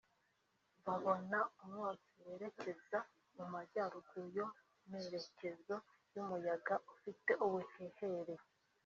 babona umwotsi werekeza mu majyaruguru (yo merekezo y’umuyaga ufite ubuhehere)